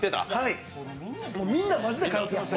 みんなマジで通ってました。